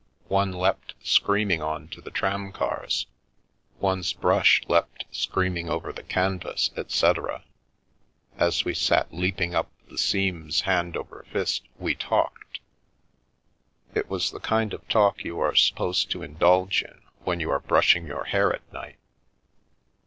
One leapt screaming" on to the tramcars, one's brush leapt screaming over the canvas/' etc.) — as we sat leaping up the seams hand over fist, we talked. It was the kind of talk you are supposed to indulge in when you are brushing your hair at night.